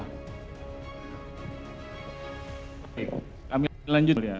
oke kami lanjut ya